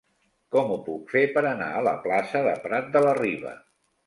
Com ho puc fer per anar a la plaça de Prat de la Riba?